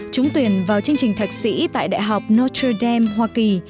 chúng tuyển vào chương trình thạch sĩ tại đại học notre dame hoa kỳ